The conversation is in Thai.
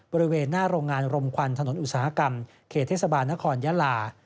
บริเวณหน้าโรงงานรมควันถนนอุตสาหกรรมเขตเทศบาลนครยาลา